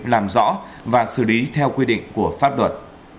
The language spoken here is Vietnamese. làm rõ và xử lý theo quy định của pháp luật